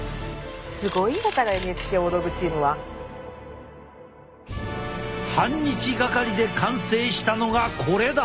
すごいんだからＮＨＫ大道具チームは。半日掛かりで完成したのがこれだ！